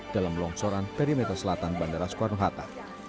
dalam longsoran perimeter selatan bandara skwarnohata